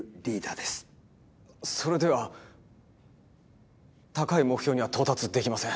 それでは高い目標には到達できません。